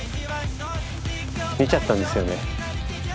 見ちゃったんですよね。